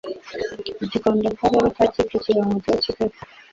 gikondo akarere ka kicukiro mu mujyi wa kigali